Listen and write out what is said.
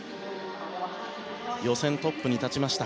予選トップに立ちました。